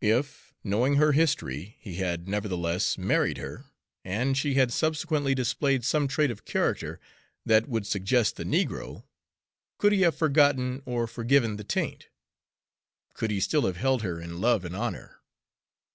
If, knowing her history, he had nevertheless married her, and she had subsequently displayed some trait of character that would suggest the negro, could he have forgotten or forgiven the taint? Could he still have held her in love and honor?